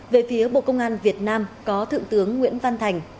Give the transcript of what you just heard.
về phía bộ công an việt nam có thượng tướng nguyễn văn thành